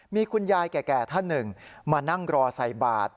มีคุณยายแก่ท่านหนึ่งมานั่งรอใส่บาท